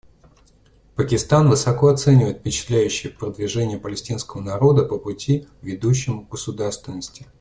Пакистан высоко оценивает впечатляющее продвижение палестинского народа по пути, ведущему к государственности.